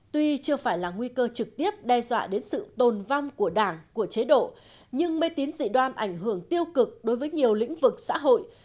tuy chưa phải là nguy cơ trực tiếp đe dọa đến sự tồn vong của đảng của chế độ nhưng mê tín dị đoan ảnh hưởng tiêu cực đối với nhiều lĩnh vực xã hội